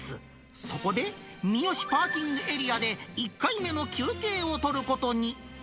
そこで、三芳パーキングエリアで１回目の休憩を取ることに。